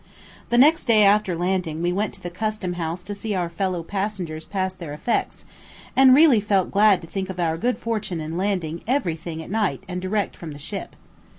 The next day after landing we went to the custom house to see our fellow passengers pass their effects, and really felt glad to think of our good fortune in landing every thing at night and direct from the ship.